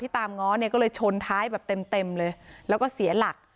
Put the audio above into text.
ตามง้อเนี่ยก็เลยชนท้ายแบบเต็มเต็มเลยแล้วก็เสียหลัก